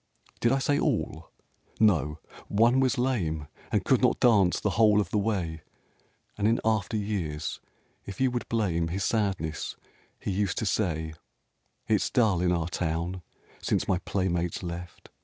Did I say, all? No! One was lame, And could not dance the whole of the way; And in after years, if you would blame His sadness, he was used to say, "It's dull in our town since my playmates left!